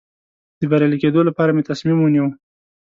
د بریالي کېدو لپاره مې تصمیم ونیو.